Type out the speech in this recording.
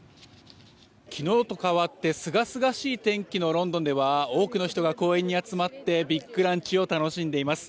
昨日と変わってすがすがしい天気のロンドンでは多くの人が公園に集まってビッグランチを楽しんでいます。